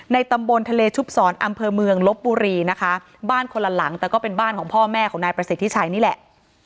ตำบลทะเลชุบศรอำเภอเมืองลบบุรีนะคะบ้านคนละหลังแต่ก็เป็นบ้านของพ่อแม่ของนายประสิทธิชัยนี่แหละ